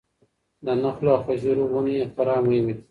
د نخلو او خجورو ونې خورا مهمې دي.